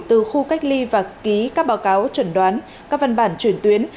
từ khu cách ly và ký các báo cáo chuẩn đoán các văn bản chuyển tuyến